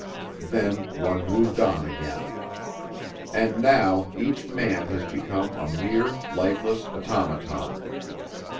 Then one moved on again. And now each man has become a mere lifeless automaton.